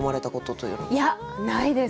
いやないです。